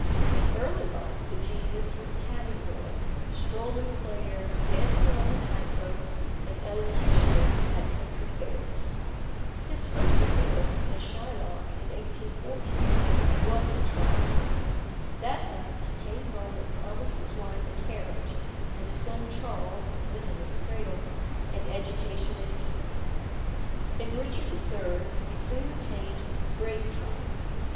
In early life the genius was cabin boy, strolling player, dancer on the tight rope, and elocutionist at country fairs. His first appearance, as Shylock, in 1814, was a triumph. That night he came home and promised his wife a carriage, and his son Charles (then in his cradle) an education at Eton. In Richard III. he soon attained great triumphs.